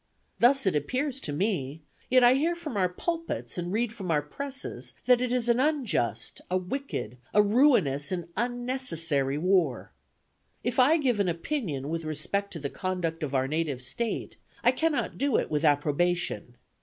Thus it appears to me; yet I hear from our pulpits and read from our presses that it is an unjust, a wicked, a ruinous and unnecessary war. If I give an opinion with respect to the conduct of our native State, I cannot do it with approbation.